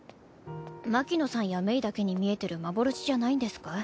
牧野さんや芽衣だけに見えてる幻じゃないんですか？